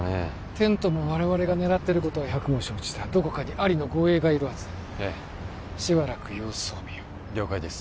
テントも我々が狙ってることは百も承知だどこかにアリの護衛がいるはずだええしばらく様子を見よう了解です